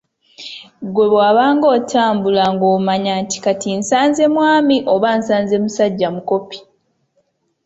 Ggwe bwe wabanga otambula ng‘omanya nti kati nsanze mwami oba nsanze musajja mukopi.